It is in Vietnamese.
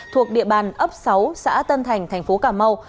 thuộc địa bàn ấp sáu xã tân thành thành phố cà mau